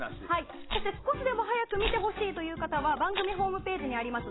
そして少しでも早く見てほしいという方は番組ホームページにあります